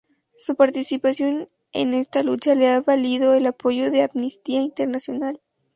Su participación en esta lucha le ha valido el apoyo de Amnistía Internacional.